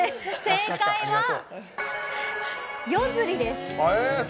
正解は「夜釣り」です。